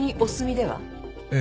ええ。